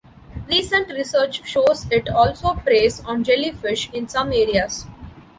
Recent research shows it also preys on jellyfish in some areas.